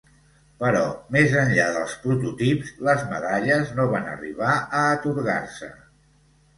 Però més enllà dels prototips, les medalles no van arribar a atorgar-se.